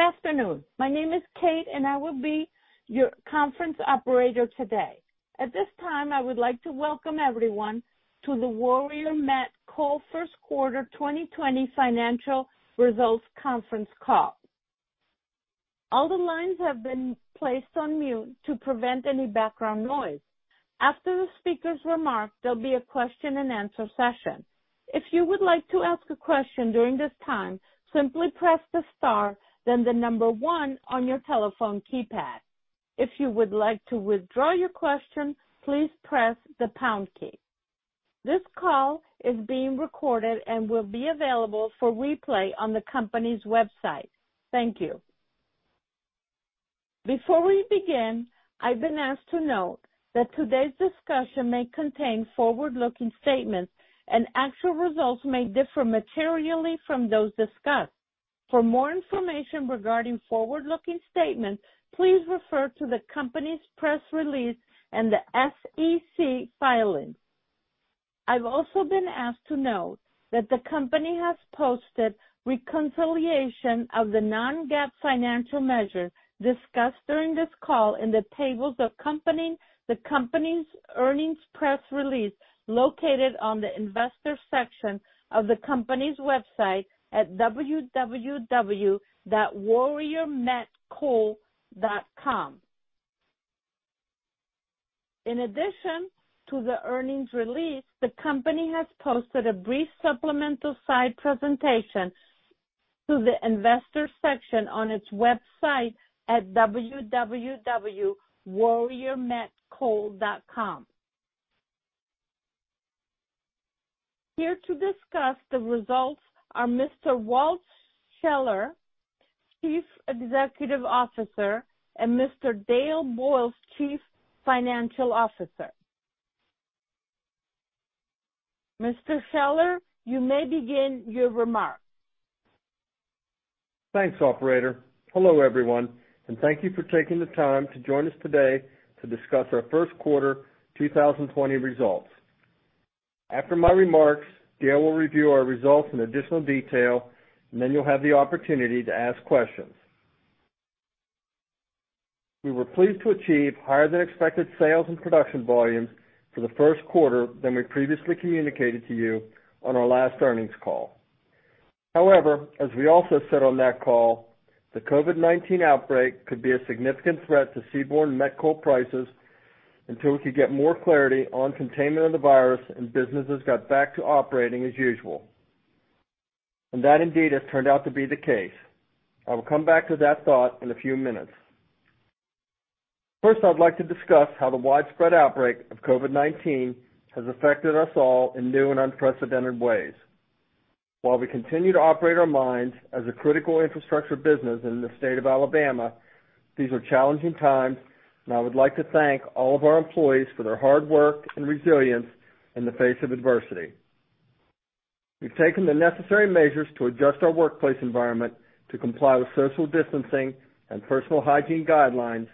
Good afternoon. My name is Kate, and I will be your conference operator today. At this time, I would like to welcome everyone to the Warrior Met Coal first quarter 2020 financial results conference call. All the lines have been placed on mute to prevent any background noise. After the speakers are marked, there'll be a question-and-answer session. If you would like to ask a question during this time, simply press the star, then the number one on your telephone keypad. If you would like to withdraw your question, please press the pound key. This call is being recorded and will be available for replay on the company's website. Thank you. Before we begin, I've been asked to note that today's discussion may contain forward-looking statements, and actual results may differ materially from those discussed. For more information regarding forward-looking statements, please refer to the company's press release and the SEC filings. I've also been asked to note that the company has posted reconciliation of the non-GAAP financial measures discussed during this call in the tables accompanying the company's earnings press release located on the investor section of the company's website at www.warriormetcoal.com. In addition to the earnings release, the company has posted a brief supplemental side presentation to the investor section on its website at www.warriormetcoal.com. Here to discuss the results are Mr. Walt Scheller, Chief Executive Officer, and Mr. Dale Boyles, Chief Financial Officer. Mr. Scheller, you may begin your remarks. Thanks, Operator. Hello, everyone, and thank you for taking the time to join us today to discuss our first quarter 2020 results. After my remarks, Dale will review our results in additional detail, and then you'll have the opportunity to ask questions. We were pleased to achieve higher-than-expected sales and production volumes for the first quarter than we previously communicated to you on our last earnings call. However, as we also said on that call, the COVID-19 outbreak could be a significant threat to seaborne met coal prices until we could get more clarity on containment of the virus and businesses got back to operating as usual. That indeed has turned out to be the case. I will come back to that thought in a few minutes. First, I'd like to discuss how the widespread outbreak of COVID-19 has affected us all in new and unprecedented ways. While we continue to operate our mines as a critical infrastructure business in the state of Alabama, these are challenging times, and I would like to thank all of our employees for their hard work and resilience in the face of adversity. We've taken the necessary measures to adjust our workplace environment to comply with social distancing and personal hygiene guidelines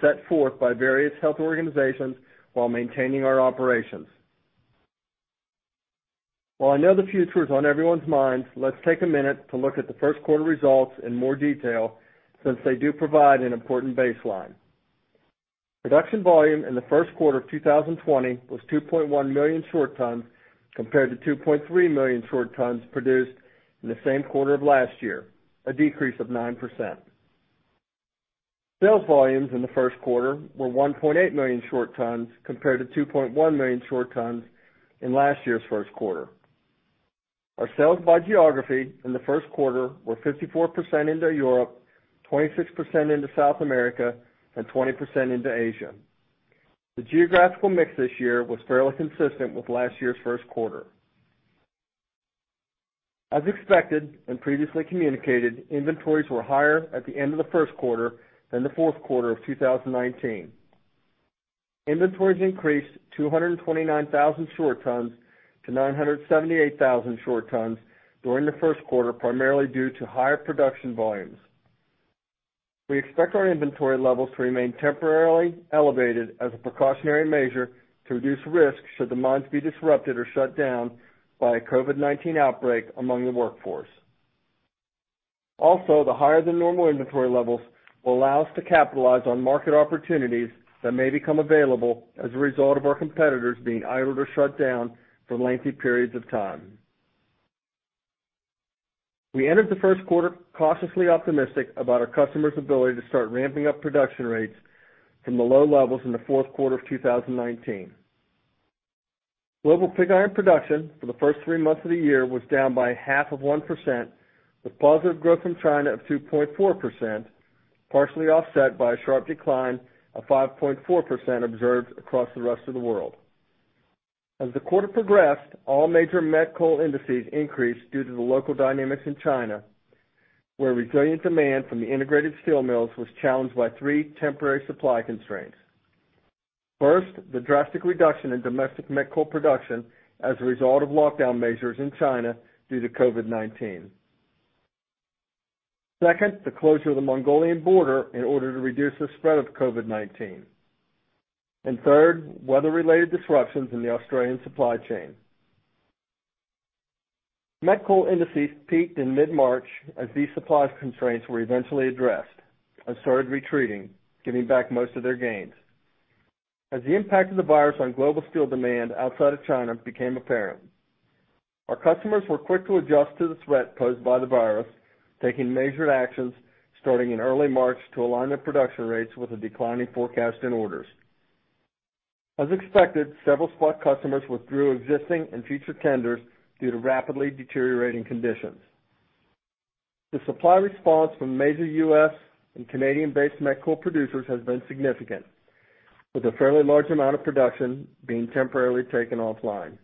set forth by various health organizations while maintaining our operations. While I know the future is on everyone's minds, let's take a minute to look at the first quarter results in more detail since they do provide an important baseline. Production volume in the first quarter of 2020 was 2.1 million short tons compared to 2.3 million short tons produced in the same quarter of last year, a decrease of 9%. Sales volumes in the first quarter were 1.8 million short tons compared to 2.1 million short tons in last year's first quarter. Our sales by geography in the first quarter were 54% into Europe, 26% into South America, and 20% into Asia. The geographical mix this year was fairly consistent with last year's first quarter. As expected and previously communicated, inventories were higher at the end of the first quarter than the fourth quarter of 2019. Inventories increased 229,000 short tons to 978,000 short tons during the first quarter, primarily due to higher production volumes. We expect our inventory levels to remain temporarily elevated as a precautionary measure to reduce risk should the mines be disrupted or shut down by a COVID-19 outbreak among the workforce. Also, the higher-than-normal inventory levels will allow us to capitalize on market opportunities that may become available as a result of our competitors being idled or shut down for lengthy periods of time. We entered the first quarter cautiously optimistic about our customers' ability to start ramping up production rates from the low levels in the fourth quarter of 2019. Global pig iron production for the first three months of the year was down by half of 1%, with positive growth from China of 2.4%, partially offset by a sharp decline of 5.4% observed across the rest of the world. As the quarter progressed, all major met coal indices increased due to the local dynamics in China, where resilient demand from the integrated steel mills was challenged by three temporary supply constraints. First, the drastic reduction in domestic met coal production as a result of lockdown measures in China due to COVID-19. Second, the closure of the Mongolian border in order to reduce the spread of COVID-19. Third, weather-related disruptions in the Australian supply chain. Met coal indices peaked in mid-March as these supply constraints were eventually addressed and started retreating, giving back most of their gains. As the impact of the virus on global steel demand outside of China became apparent, our customers were quick to adjust to the threat posed by the virus, taking measured actions starting in early March to align their production rates with a declining forecast in orders. As expected, several spot customers withdrew existing and future tenders due to rapidly deteriorating conditions. The supply response from major U.S. and Canadian-based met coal producers has been significant, with a fairly large amount of production being temporarily taken offline.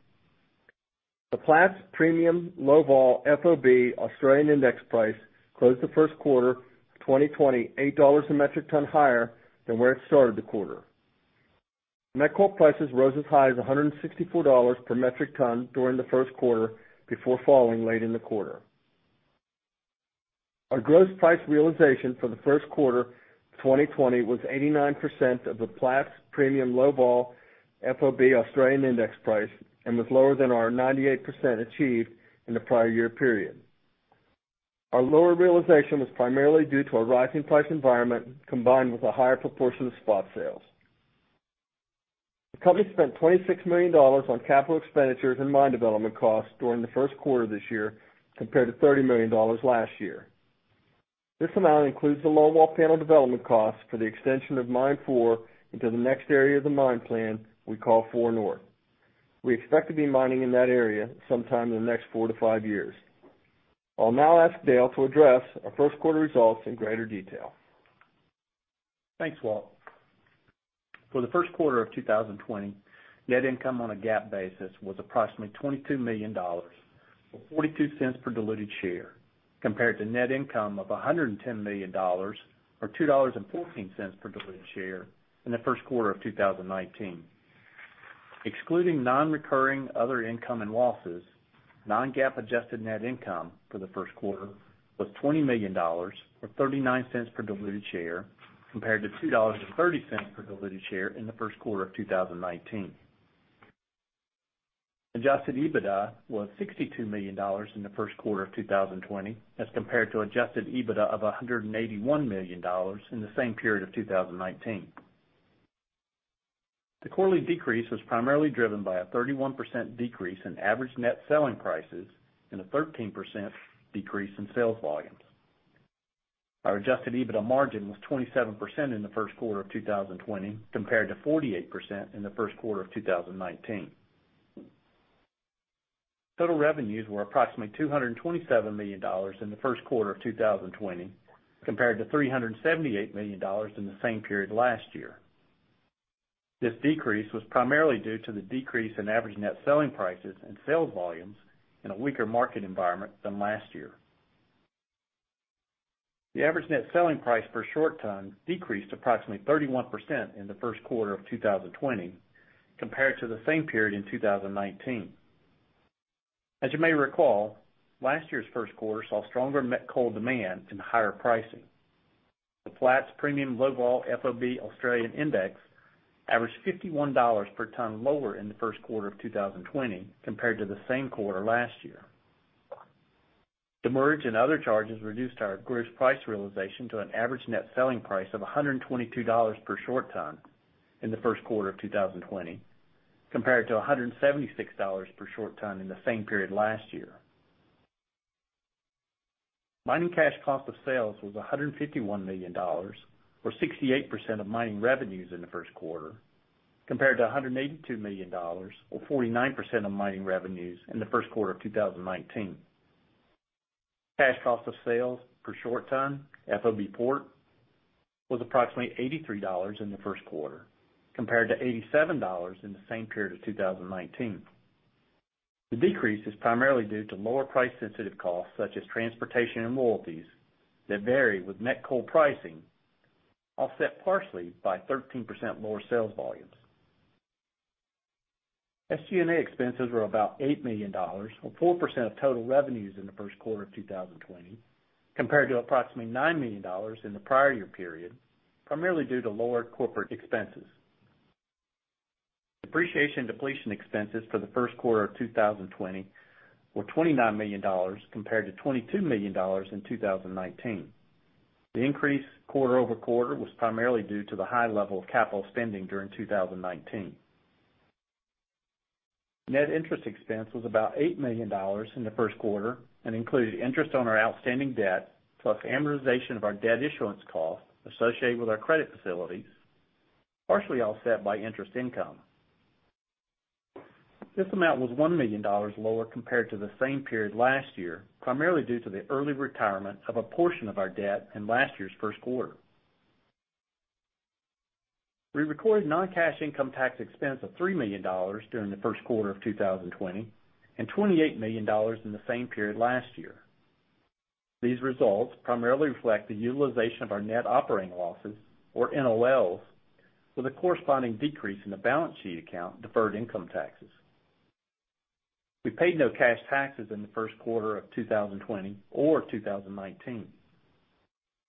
The Platts premium low-vol FOB, Australian index price, closed the first quarter 2020 $8 a metric ton higher than where it started the quarter. Met coal prices rose as high as $164 per metric ton during the first quarter before falling late in the quarter. Our gross price realization for the first quarter 2020 was 89% of the Platts premium low-vol FOB, Australian index price, and was lower than our 98% achieved in the prior year period. Our lower realization was primarily due to a rising price environment combined with a higher proportion of spot sales. The company spent $26 million on capital expenditures and mine development costs during the first quarter of this year compared to $30 million last year. This amount includes the low-vol panel development costs for the extension of Mine 4 into the next area of the mine plan we call Four North. We expect to be mining in that area sometime in the next four to five years. I'll now ask Dale to address our first quarter results in greater detail. Thanks, Walt. For the first quarter of 2020, net income on a GAAP basis was approximately $22 million, or $0.42 per diluted share, compared to net income of $110 million, or $2.14 per diluted share in the first quarter of 2019. Excluding non-recurring other income and losses, non-GAAP adjusted net income for the first quarter was $20 million, or $0.39 per diluted share, compared to $2.30 per diluted share in the first quarter of 2019. Adjusted EBITDA was $62 million in the first quarter of 2020, as compared to adjusted EBITDA of $181 million in the same period of 2019. The quarterly decrease was primarily driven by a 31% decrease in average net selling prices and a 13% decrease in sales volumes. Our adjusted EBITDA margin was 27% in the first quarter of 2020, compared to 48% in the first quarter of 2019. Total revenues were approximately $227 million in the first quarter of 2020, compared to $378 million in the same period last year. This decrease was primarily due to the decrease in average net selling prices and sales volumes in a weaker market environment than last year. The average net selling price per short ton decreased approximately 31% in the first quarter of 2020, compared to the same period in 2019. As you may recall, last year's first quarter saw stronger met coal demand and higher pricing. The Platts premium low-vol FOB Australian index averaged $51 per ton lower in the first quarter of 2020 compared to the same quarter last year. The merger and other charges reduced our gross price realization to an average net selling price of $122 per short ton in the first quarter of 2020, compared to $176 per short ton in the same period last year. Mining cash cost of sales was $151 million, or 68% of mining revenues in the first quarter, compared to $182 million, or 49% of mining revenues in the first quarter of 2019. Cash cost of sales per short ton, FOB port, was approximately $83 in the first quarter, compared to $87 in the same period of 2019. The decrease is primarily due to lower price-sensitive costs such as transportation and royalties that vary with met coal pricing, offset partially by 13% lower sales volumes. SG&A expenses were about $8 million, or 4% of total revenues in the first quarter of 2020, compared to approximately $9 million in the prior year period, primarily due to lower corporate expenses. Depreciation and depletion expenses for the first quarter of 2020 were $29 million, compared to $22 million in 2019. The increase quarter-over-quarter was primarily due to the high level of capital spending during 2019. Net interest expense was about $8 million in the first quarter and included interest on our outstanding debt, plus amortization of our debt issuance cost associated with our credit facilities, partially offset by interest income. This amount was $1 million lower compared to the same period last year, primarily due to the early retirement of a portion of our debt in last year's first quarter. We recorded non-cash income tax expense of $3 million during the first quarter of 2020 and $28 million in the same period last year. These results primarily reflect the utilization of our net operating losses, or NOLs, with a corresponding decrease in the balance sheet account deferred income taxes. We paid no cash taxes in the first quarter of 2020 or 2019.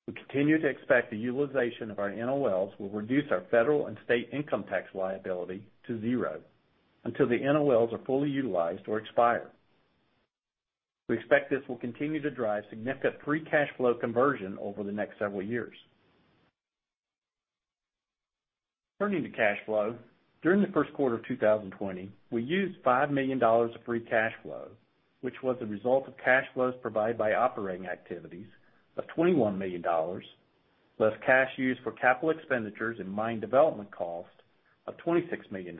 We continue to expect the utilization of our NOLs will reduce our federal and state income tax liability to zero until the NOLs are fully utilized or expire. We expect this will continue to drive significant free cash flow conversion over the next several years. Turning to cash flow, during the first quarter of 2020, we used $5 million of free cash flow, which was the result of cash flows provided by operating activities, of $21 million, plus cash used for capital expenditures and mine development cost of $26 million.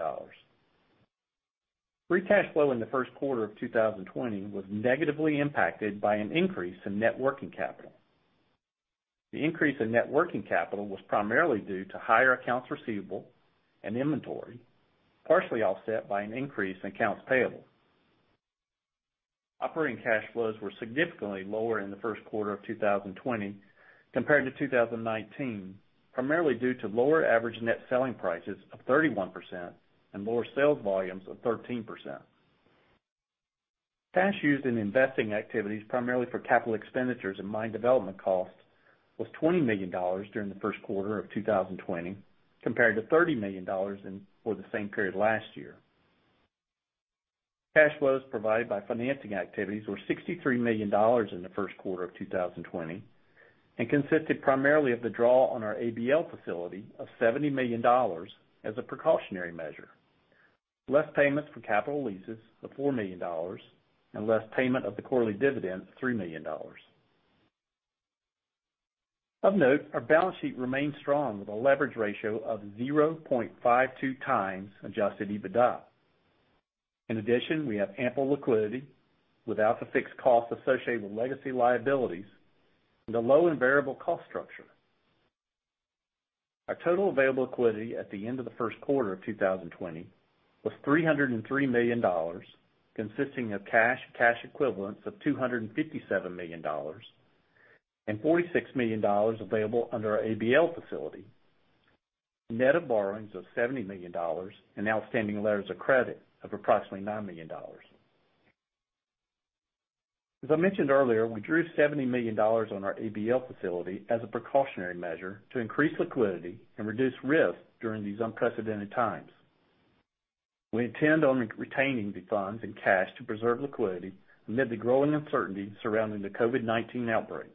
Free cash flow in the first quarter of 2020 was negatively impacted by an increase in net working capital. The increase in net working capital was primarily due to higher accounts receivable and inventory, partially offset by an increase in accounts payable. Operating cash flows were significantly lower in the first quarter of 2020 compared to 2019, primarily due to lower average net selling prices of 31% and lower sales volumes of 13%. Cash used in investing activities, primarily for capital expenditures and mine development cost, was $20 million during the first quarter of 2020, compared to $30 million for the same period last year. Cash flows provided by financing activities were $63 million in the first quarter of 2020 and consisted primarily of the draw on our ABL facility of $70 million as a precautionary measure, less payments for capital leases of $4 million, and less payment of the quarterly dividend of $3 million. Of note, our balance sheet remained strong with a leverage ratio of 0.52x adjusted EBITDA. In addition, we have ample liquidity without the fixed cost associated with legacy liabilities and a low and variable cost structure. Our total available liquidity at the end of the first quarter of 2020 was $303 million, consisting of cash and cash equivalents of $257 million, and $46 million available under our ABL facility, net of borrowings of $70 million, and outstanding letters of credit of approximately $9 million. As I mentioned earlier, we drew $70 million on our ABL facility as a precautionary measure to increase liquidity and reduce risk during these unprecedented times. We intend on retaining the funds in cash to preserve liquidity amid the growing uncertainty surrounding the COVID-19 outbreak.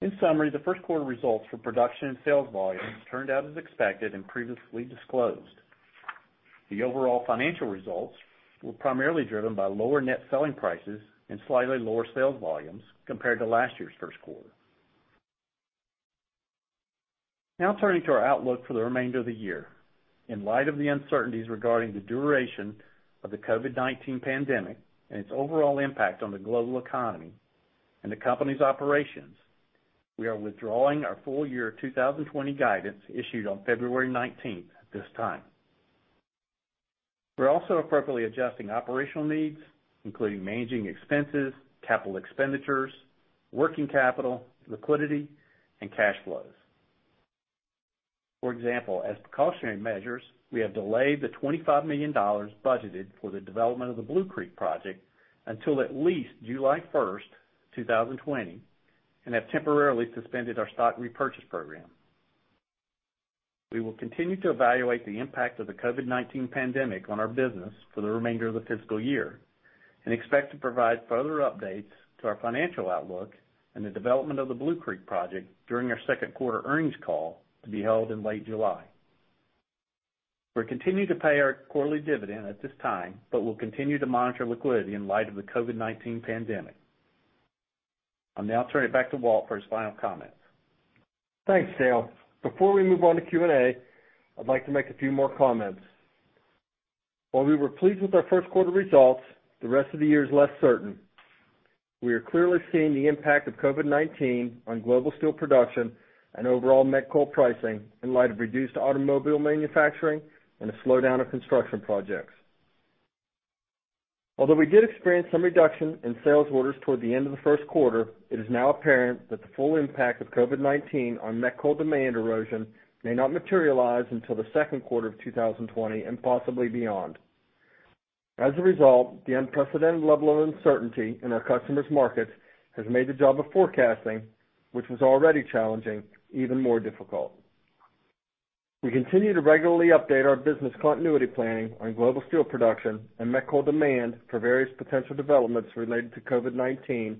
In summary, the first quarter results for production and sales volumes turned out as expected and previously disclosed. The overall financial results were primarily driven by lower net selling prices and slightly lower sales volumes compared to last year's first quarter. Now turning to our outlook for the remainder of the year. In light of the uncertainties regarding the duration of the COVID-19 pandemic and its overall impact on the global economy and the company's operations, we are withdrawing our full year 2020 guidance issued on February 19th at this time. We're also appropriately adjusting operational needs, including managing expenses, capital expenditures, working capital, liquidity, and cash flows. For example, as precautionary measures, we have delayed the $25 million budgeted for the development of the Blue Creek project until at least July 1st, 2020, and have temporarily suspended our stock repurchase program. We will continue to evaluate the impact of the COVID-19 pandemic on our business for the remainder of the fiscal year and expect to provide further updates to our financial outlook and the development of the Blue Creek project during our second quarter earnings call to be held in late July. We're continuing to pay our quarterly dividend at this time, but we'll continue to monitor liquidity in light of the COVID-19 pandemic. I'll now turn it back to Walt for his final comments. Thanks, Dale. Before we move on to Q&A, I'd like to make a few more comments. While we were pleased with our first quarter results, the rest of the year is less certain. We are clearly seeing the impact of COVID-19 on global steel production and overall met coal pricing in light of reduced automobile manufacturing and a slowdown of construction projects. Although we did experience some reduction in sales orders toward the end of the first quarter, it is now apparent that the full impact of COVID-19 on met coal demand erosion may not materialize until the second quarter of 2020 and possibly beyond. As a result, the unprecedented level of uncertainty in our customers' markets has made the job of forecasting, which was already challenging, even more difficult. We continue to regularly update our business continuity planning on global steel production and met coal demand for various potential developments related to COVID-19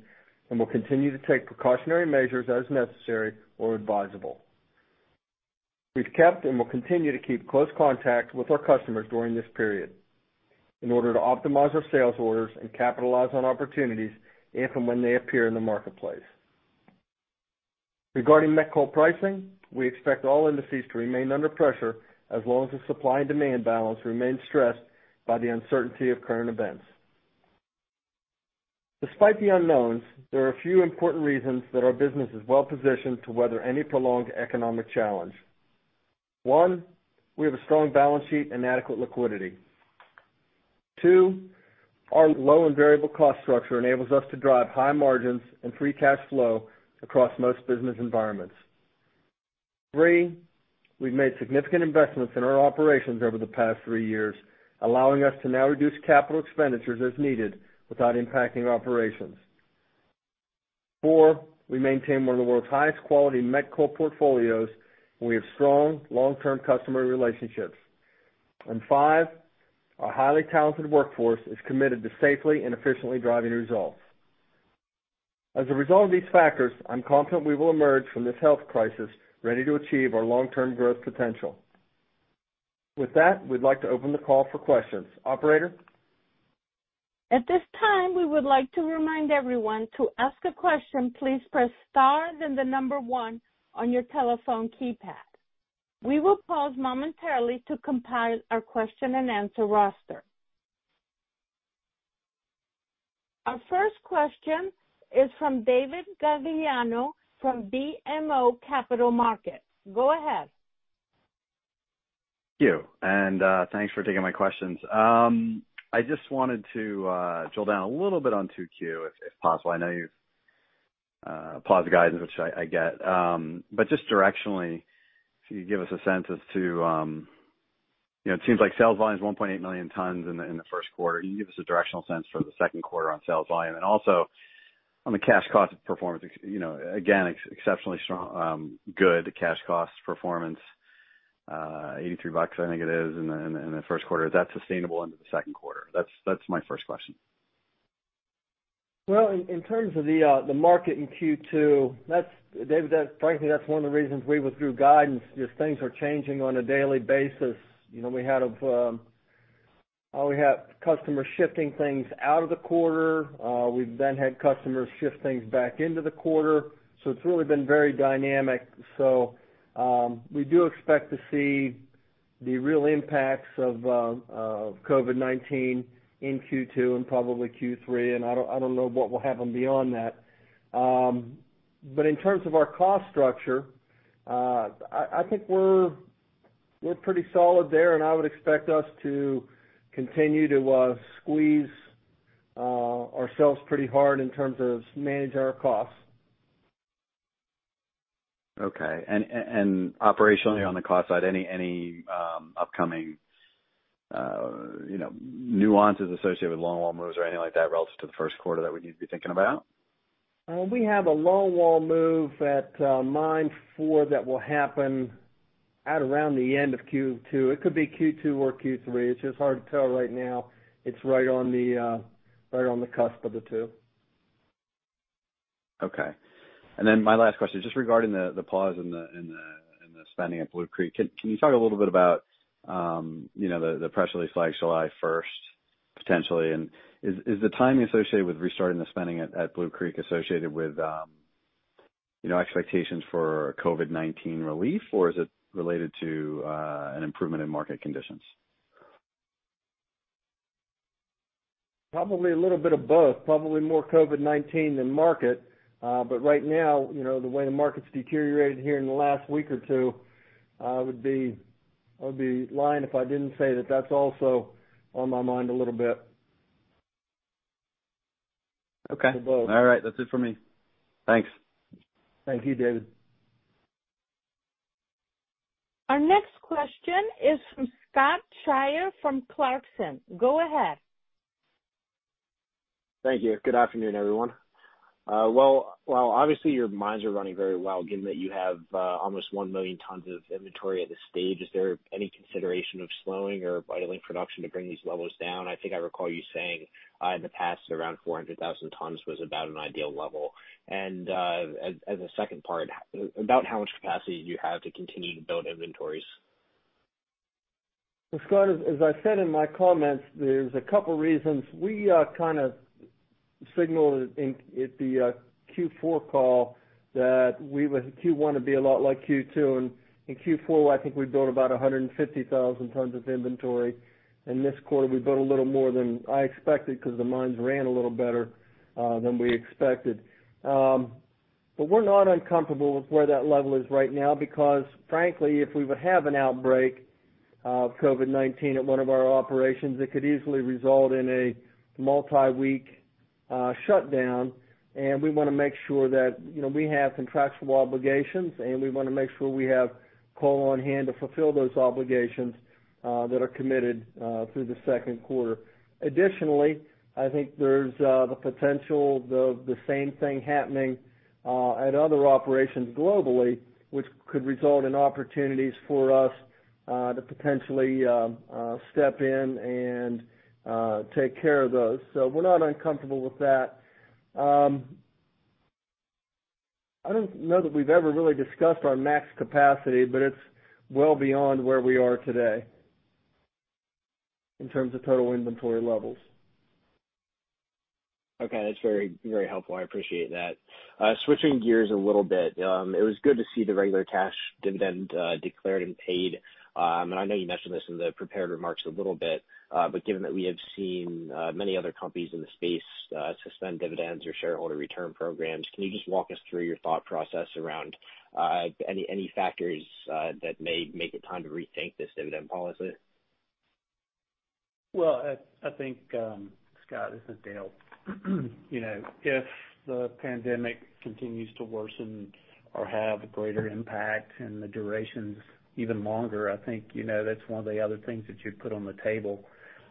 and will continue to take precautionary measures as necessary or advisable. We've kept and will continue to keep close contact with our customers during this period in order to optimize our sales orders and capitalize on opportunities if and when they appear in the marketplace. Regarding met coal pricing, we expect all indices to remain under pressure as long as the supply and demand balance remains stressed by the uncertainty of current events. Despite the unknowns, there are a few important reasons that our business is well positioned to weather any prolonged economic challenge. One, we have a strong balance sheet and adequate liquidity. Two, our low and variable cost structure enables us to drive high margins and free cash flow across most business environments. Three, we've made significant investments in our operations over the past three years, allowing us to now reduce capital expenditures as needed without impacting our operations. Four, we maintain one of the world's highest quality met coal portfolios, and we have strong long-term customer relationships. Five, our highly talented workforce is committed to safely and efficiently driving results. As a result of these factors, I'm confident we will emerge from this health crisis ready to achieve our long-term growth potential. With that, we'd like to open the call for questions. Operator? At this time, we would like to remind everyone to ask a question. Please press star then the number one on your telephone keypad. We will pause momentarily to compile our question and answer roster. Our first question is from David Gagliano from BMO Capital Markets. Go ahead. Thank you. Thanks for taking my questions. I just wanted to drill down a little bit on 2Q, if possible. I know you've paused the guidance, which I get. Just directionally, if you could give us a sense as to it seems like sales volume is 1.8 million tons in the first quarter. Can you give us a directional sense for the second quarter on sales volume? Also, on the cash cost performance, again, exceptionally strong, good cash cost performance, $83, I think it is, in the first quarter. Is that sustainable into the second quarter? That's my first question. In terms of the market in Q2, David, frankly, that's one of the reasons we withdrew guidance. Just things were changing on a daily basis. We had customers shifting things out of the quarter. We've then had customers shift things back into the quarter. It has really been very dynamic. We do expect to see the real impacts of COVID-19 in Q2 and probably Q3. I don't know what will happen beyond that. In terms of our cost structure, I think we're pretty solid there. I would expect us to continue to squeeze ourselves pretty hard in terms of managing our costs. Okay. Operationally on the cost side, any upcoming nuances associated with longwall moves or anything like that relative to the first quarter that we need to be thinking about? We have a longwall move at Mine 4 that will happen at around the end of Q2. It could be Q2 or Q3. It's just hard to tell right now. It's right on the cusp of the two. Okay. My last question, just regarding the pause in the spending at Blue Creek, can you talk a little bit about the press release July 1st, potentially? Is the timing associated with restarting the spending at Blue Creek associated with expectations for COVID-19 relief, or is it related to an improvement in market conditions? Probably a little bit of both. Probably more COVID-19 than market. Right now, the way the market's deteriorated here in the last week or two, I would be lying if I didn't say that that's also on my mind a little bit. Okay. For both. All right. That's it for me. Thanks. Thank you, David. Our next question is from Scott Goad from Clarkson. Go ahead. Thank you. Good afternoon, everyone. Obviously, your mines are running very well, given that you have almost 1 million tons of inventory at this stage. Is there any consideration of slowing or idling production to bring these levels down? I think I recall you saying in the past around 400,000 tons was about an ideal level. As a second part, about how much capacity do you have to continue to build inventories? Scott, as I said in my comments, there's a couple of reasons. We kind of signaled it at the Q4 call that we wanted to be a lot like Q2. In Q4, I think we built about 150,000 tons of inventory. This quarter, we built a little more than I expected because the mines ran a little better than we expected. We are not uncomfortable with where that level is right now because, frankly, if we would have an outbreak of COVID-19 at one of our operations, it could easily result in a multi-week shutdown. We want to make sure that we have contractual obligations, and we want to make sure we have coal on hand to fulfill those obligations that are committed through the second quarter. Additionally, I think there's the potential of the same thing happening at other operations globally, which could result in opportunities for us to potentially step in and take care of those. We're not uncomfortable with that. I don't know that we've ever really discussed our max capacity, but it's well beyond where we are today in terms of total inventory levels. Okay. That's very helpful. I appreciate that. Switching gears a little bit, it was good to see the regular cash dividend declared and paid. I know you mentioned this in the prepared remarks a little bit, but given that we have seen many other companies in the space suspend dividends or shareholder return programs, can you just walk us through your thought process around any factors that may make it time to rethink this dividend policy? I think, Scott, this is Dale. If the pandemic continues to worsen or have a greater impact and the durations even longer, I think that's one of the other things that you put on the table.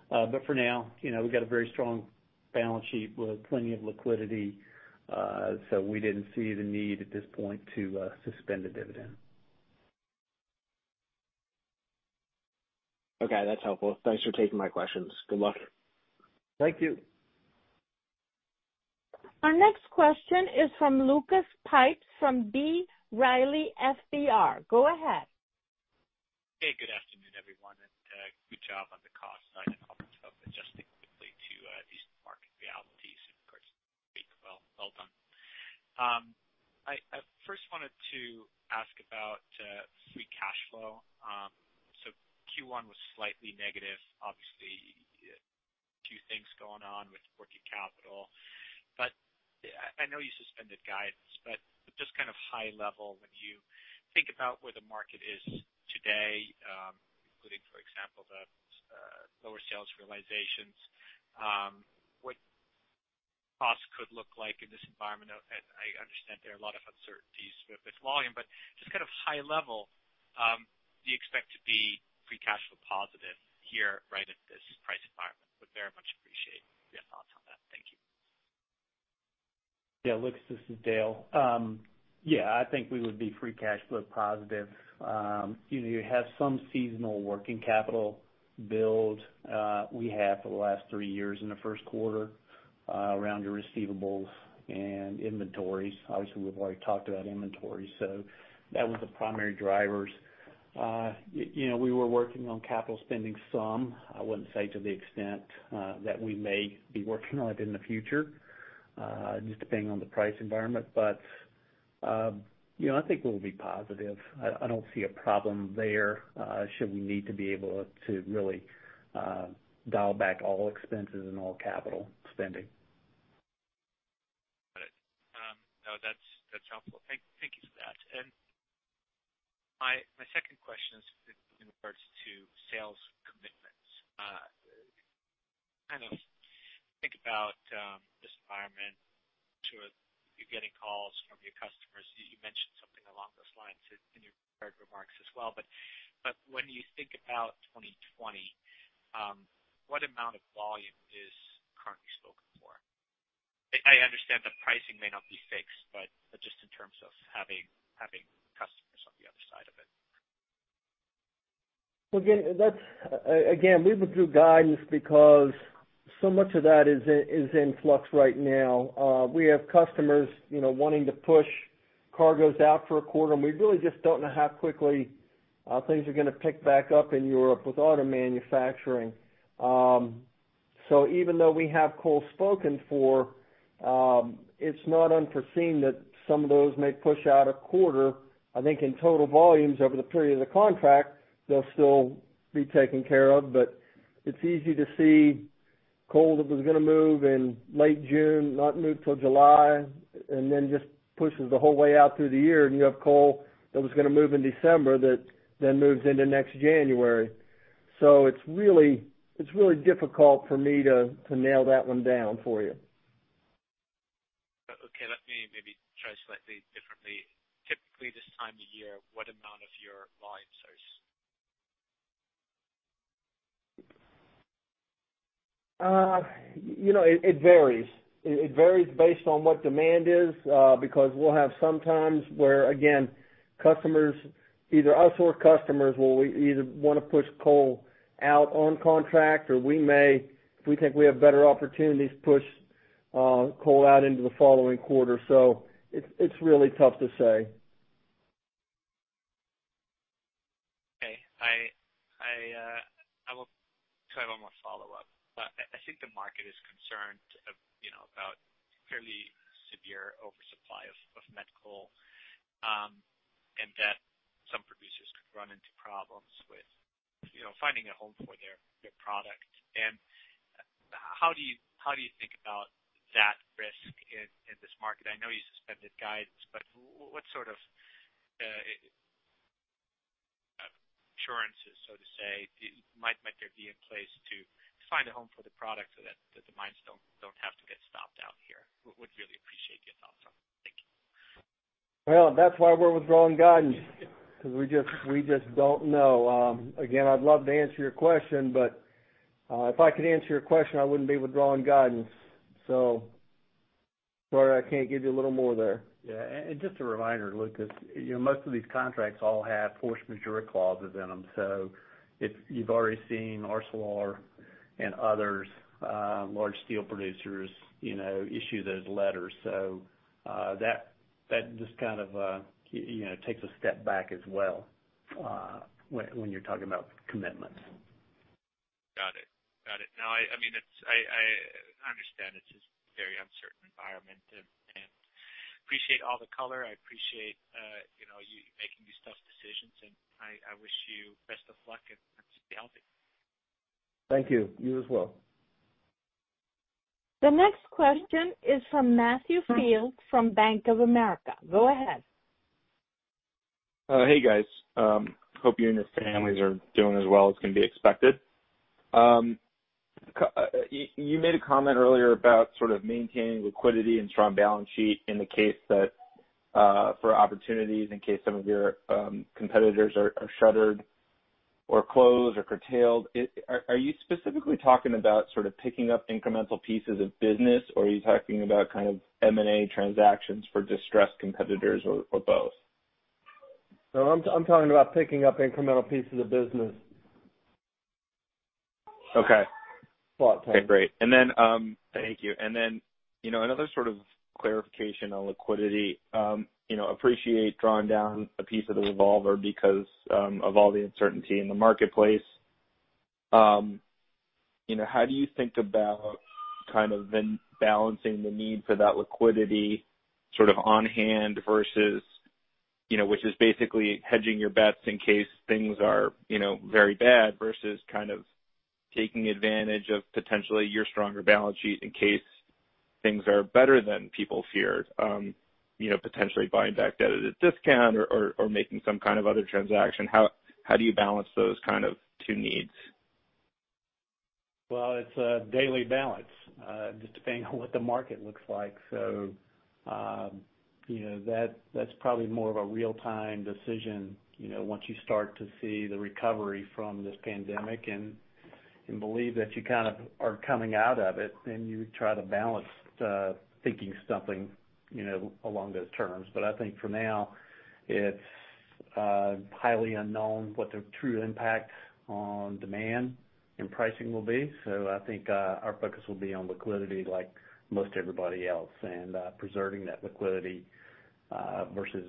For now, we've got a very strong balance sheet with plenty of liquidity, so we didn't see the need at this point to suspend a dividend. Okay. That's helpful. Thanks for taking my questions. Good luck. Thank you. Our next question is from Lucas Pipes from B. Riley FBR. Go ahead. Hey, good afternoon, everyone. Good job on the cost side of adjusting quickly to these market realities in regards to the week. Well done. I first wanted to ask about free cash flow. Q1 was slightly negative. Obviously, a few things going on with working capital. I know you suspended guidance, but just kind of high level, when you think about where the market is today, including, for example, the lower sales realizations, what costs could look like in this environment? I understand there are a lot of uncertainties with volume, but just kind of high level, do you expect to be free cash flow positive here right at this price environment? Would very much appreciate your thoughts on that. Thank you. Yeah, Lucas, this is Dale. Yeah, I think we would be free cash flow positive. You have some seasonal working capital build we had for the last three years in the first quarter around your receivables and inventories. Obviously, we've already talked about inventory, so that was the primary drivers. We were working on capital spending some. I wouldn't say to the extent that we may be working on it in the future, just depending on the price environment. I think we'll be positive. I don't see a problem there should we need to be able to really dial back all expenses and all capital spending. Got it. No, that's helpful. Thank you for that. My second question is in regards to sales commitments. Kind of think about this environment. Sure, you're getting calls from your customers. You mentioned something along those lines in your prepared remarks as well. When you think about 2020, what amount of volume is currently spoken for? I understand that pricing may not be fixed, just in terms of having customers on the other side of it. Again, we withdrew guidance because so much of that is in flux right now. We have customers wanting to push cargoes out for a quarter, and we really just don't know how quickly things are going to pick back up in Europe with auto manufacturing. Even though we have coal spoken for, it's not unforeseen that some of those may push out a quarter. I think in total volumes over the period of the contract, they'll still be taken care of. It's easy to see coal that was going to move in late June not move till July, and then just pushes the whole way out through the year. You have coal that was going to move in December that then moves into next January. It's really difficult for me to nail that one down for you. Okay. Let me maybe try slightly differently. Typically, this time of year, what amount of your volume serves? It varies. It varies based on what demand is because we'll have times where, again, customers, either us or customers, will either want to push coal out on contract, or we may, if we think we have better opportunities, push coal out into the following quarter. It is really tough to say. Okay. I will try one more follow-up. I think the market is concerned about fairly severe oversupply of met coal and that some producers could run into problems with finding a home for their product. How do you think about that risk in this market? I know you suspended guidance, but what sort of assurances, so to say, might there be in place to find a home for the product so that the mines do not have to get stopped out here? Would really appreciate your thoughts on it. Thank you. That's why we're withdrawing guidance because we just don't know. Again, I'd love to answer your question, but if I could answer your question, I wouldn't be withdrawing guidance. Sorry, I can't give you a little more there. Yeah. Just a reminder, Lucas, most of these contracts all have force majeure clauses in them. You've already seen ArcelorMittal and others, large steel producers, issue those letters. That just kind of takes a step back as well when you're talking about commitments. Got it. Got it. No, I mean, I understand it's a very uncertain environment. I appreciate all the color. I appreciate you making these tough decisions. I wish you best of luck and stay healthy. Thank you. You as well. The next question is from Matthew Fields from Bank of America. Go ahead. Hey, guys. Hope you and your families are doing as well as can be expected. You made a comment earlier about sort of maintaining liquidity and strong balance sheet in the case that for opportunities in case some of your competitors are shuttered or closed or curtailed. Are you specifically talking about sort of picking up incremental pieces of business, or are you talking about kind of M&A transactions for distressed competitors or both? No, I'm talking about picking up incremental pieces of business. Okay. Thought time. Okay. Great. Thank you. Another sort of clarification on liquidity. Appreciate drawing down a piece of the revolver because of all the uncertainty in the marketplace. How do you think about kind of balancing the need for that liquidity on hand, which is basically hedging your bets in case things are very bad, versus taking advantage of potentially your stronger balance sheet in case things are better than people feared, potentially buying back debt at a discount or making some kind of other transaction. How do you balance those two needs? It is a daily balance just depending on what the market looks like. That is probably more of a real-time decision once you start to see the recovery from this pandemic and believe that you kind of are coming out of it, then you would try to balance thinking something along those terms. I think for now, it is highly unknown what the true impact on demand and pricing will be. I think our focus will be on liquidity like most everybody else and preserving that liquidity versus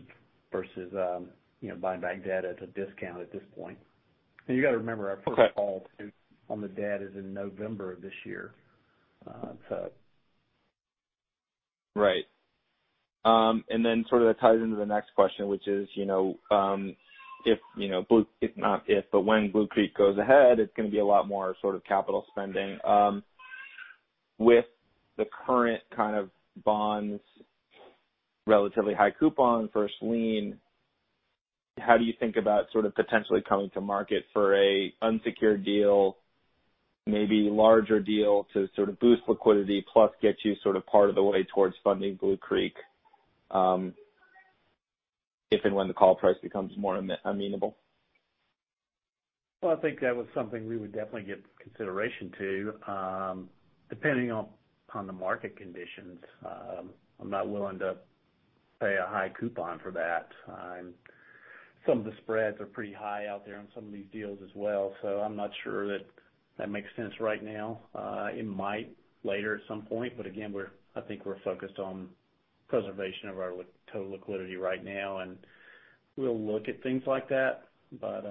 buying back debt at a discount at this point. You have to remember our first call on the debt is in November of this year. Right. That ties into the next question, which is if not if, but when Blue Creek goes ahead, it is going to be a lot more capital spending. With the current kind of bonds, relatively high coupon, first lien, how do you think about potentially coming to market for an unsecured deal, maybe larger deal to boost liquidity plus get you part of the way towards funding Blue Creek if and when the call price becomes more amenable? I think that was something we would definitely give consideration to. Depending on the market conditions, I'm not willing to pay a high coupon for that. Some of the spreads are pretty high out there on some of these deals as well. I'm not sure that that makes sense right now. It might later at some point. Again, I think we're focused on preservation of our total liquidity right now, and we'll look at things like that, but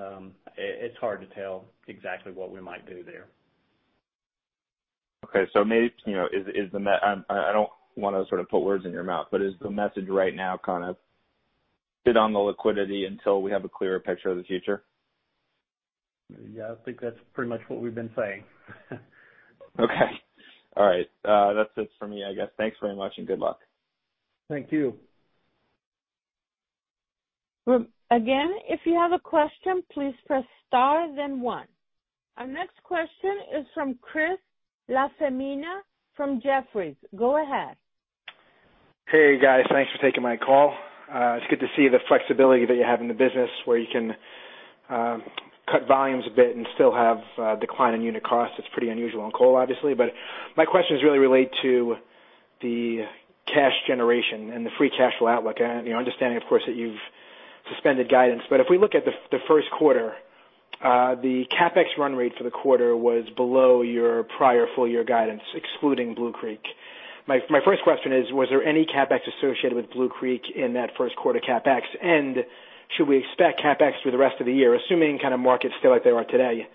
it's hard to tell exactly what we might do there. Okay. Maybe I do not want to sort of put words in your mouth, but is the message right now kind of sit on the liquidity until we have a clearer picture of the future? Yeah, I think that's pretty much what we've been saying. Okay. All right. That's it for me, I guess. Thanks very much and good luck. Thank you. Again, if you have a question, please press star, then one. Our next question is from Chris LaFemina from Jefferies. Go ahead. Hey, guys. Thanks for taking my call. It's good to see the flexibility that you have in the business where you can cut volumes a bit and still have a decline in unit costs. It's pretty unusual in coal, obviously. My question is really related to the cash generation and the free cash flow outlook, understanding, of course, that you've suspended guidance. If we look at the first quarter, the CapEx run rate for the quarter was below your prior full-year guidance, excluding Blue Creek. My first question is, was there any CapEx associated with Blue Creek in that first quarter CapEx? Should we expect CapEx through the rest of the year, assuming kind of markets still like they are today,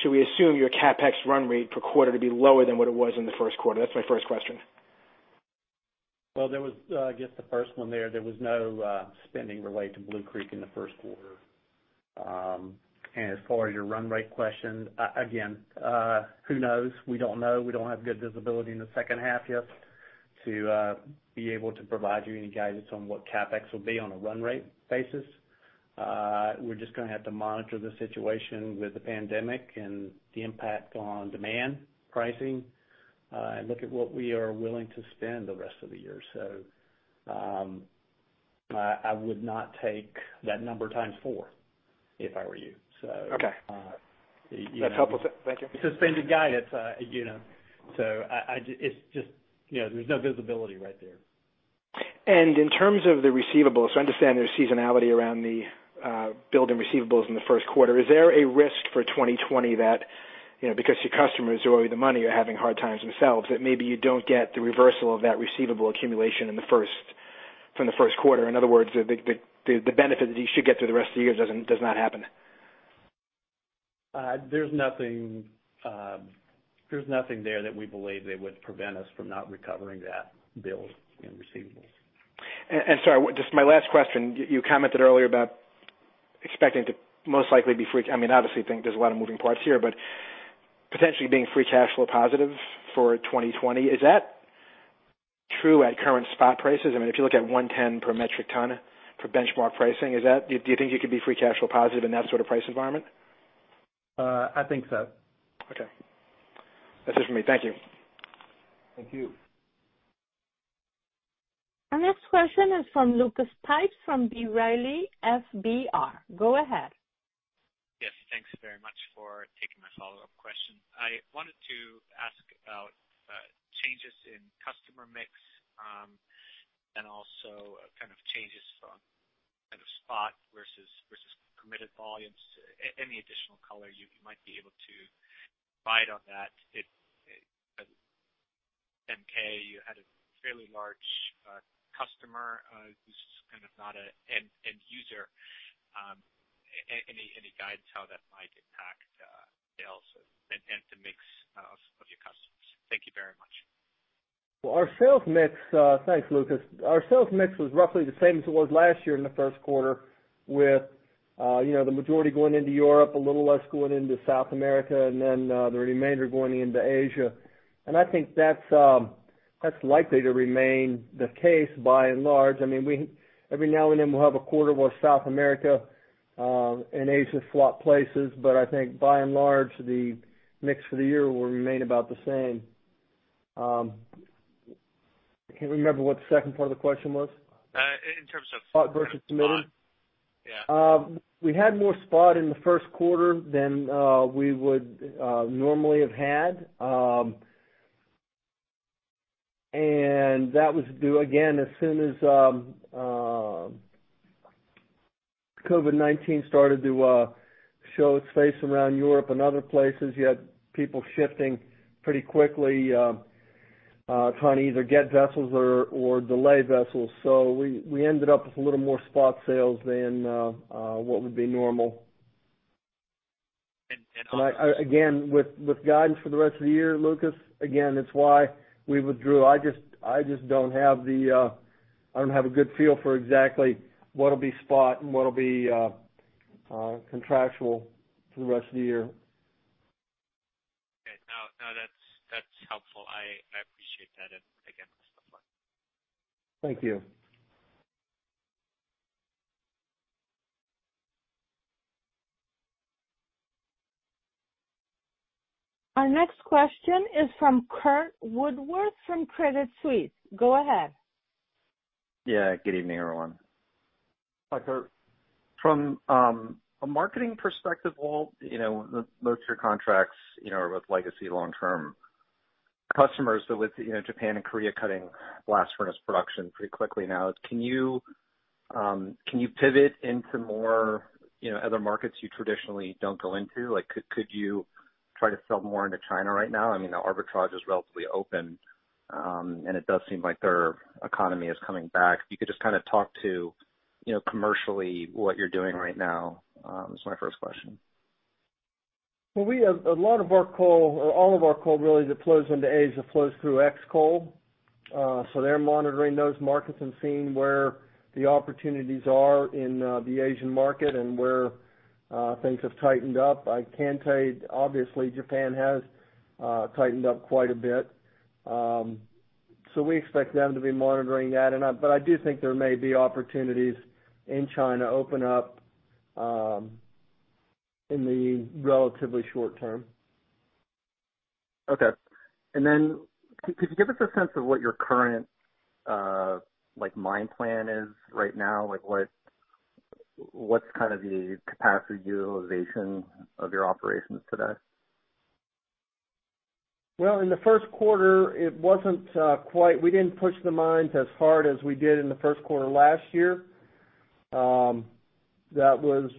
should we assume your CapEx run rate per quarter to be lower than what it was in the first quarter? That's my first question. I guess the first one, there was no spending related to Blue Creek in the first quarter. As far as your run rate question, again, who knows? We do not know. We do not have good visibility in the second half yet to be able to provide you any guidance on what CapEx will be on a run rate basis. We are just going to have to monitor the situation with the pandemic and the impact on demand, pricing, and look at what we are willing to spend the rest of the year. I would not take that number times four if I were you. Okay. That's helpful. Thank you. It's suspended guidance. There is just no visibility right there. In terms of the receivables, I understand there is seasonality around the building receivables in the first quarter. Is there a risk for 2020 that because your customers or the money are having hard times themselves, that maybe you do not get the reversal of that receivable accumulation from the first quarter? In other words, the benefit that you should get through the rest of the year does not happen? There's nothing there that we believe that would prevent us from not recovering that build in receivables. Sorry, just my last question. You commented earlier about expecting to most likely be free, I mean, obviously, there's a lot of moving parts here, but potentially being free cash flow positive for 2020. Is that true at current spot prices? I mean, if you look at $110 per metric ton for benchmark pricing, do you think you could be free cash flow positive in that sort of price environment? I think so. Okay. That's it for me. Thank you. Thank you. Our next question is from Lucas Pipes from B. Riley FBR. Go ahead. Yes. Thanks very much for taking my follow-up question. I wanted to ask about changes in customer mix and also kind of changes from kind of spot versus committed volumes. Any additional color you might be able to provide on that. At Warrior Met Coal, you had a fairly large customer who's kind of not an end user. Any guidance on how that might impact sales and the mix of your customers? Thank you very much. Our sales mix was roughly the same as it was last year in the first quarter, with the majority going into Europe, a little less going into South America, and then the remainder going into Asia. I think that's likely to remain the case by and large. I mean, every now and then, we'll have a quarter where South America and Asia swap places, but I think by and large, the mix for the year will remain about the same. I can't remember what the second part of the question was. In terms of spot versus committed? We had more spot in the first quarter than we would normally have had. That was due, again, as soon as COVID-19 started to show its face around Europe and other places, you had people shifting pretty quickly, trying to either get vessels or delay vessels. We ended up with a little more spot sales than what would be normal. And also. Again, with guidance for the rest of the year, Lucas, again, it's why we withdrew. I just don't have the, I don't have a good feel for exactly what will be spot and what will be contractual for the rest of the year. Okay. No, that's helpful. I appreciate that. I appreciate it. Best of luck. Thank you. Our next question is from Curt Woodworth from Credit Suisse. Go ahead. Yeah. Good evening, everyone. Hi, Curt. From a marketing perspective, most of your contracts are with legacy long-term customers, but with Japan and Korea cutting glass furnace production pretty quickly now, can you pivot into more other markets you traditionally do not go into? Could you try to sell more into China right now? I mean, the arbitrage is relatively open, and it does seem like their economy is coming back. If you could just kind of talk to commercially what you're doing right now is my first question. A lot of our coal or all of our coal really that flows into Asia flows through Xcoal. They are monitoring those markets and seeing where the opportunities are in the Asian market and where things have tightened up. I can tell you, obviously, Japan has tightened up quite a bit. We expect them to be monitoring that. I do think there may be opportunities in China open up in the relatively short term. Okay. Could you give us a sense of what your current mine plan is right now? What's kind of the capacity utilization of your operations today? In the first quarter, it wasn't quite we didn't push the mines as hard as we did in the first quarter last year. That was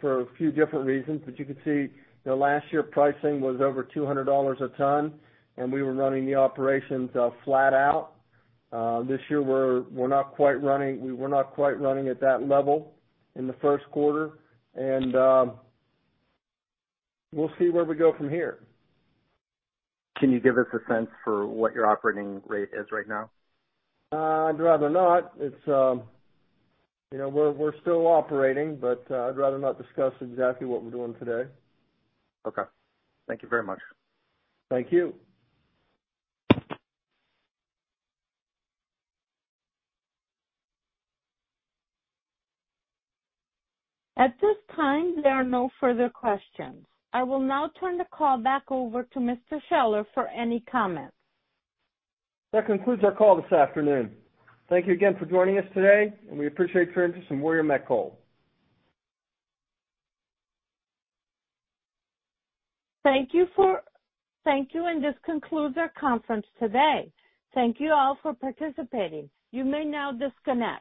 for a few different reasons, but you could see last year pricing was over $200 a ton, and we were running the operations flat out. This year, we're not quite running we were not quite running at that level in the first quarter. We'll see where we go from here. Can you give us a sense for what your operating rate is right now? I'd rather not. We're still operating, but I'd rather not discuss exactly what we're doing today. Okay. Thank you very much. Thank you. At this time, there are no further questions. I will now turn the call back over to Mr. Scheller for any comments. That concludes our call this afternoon. Thank you again for joining us today, and we appreciate your interest in Warrior Met Coal. Thank you. This concludes our conference today. Thank you all for participating. You may now disconnect.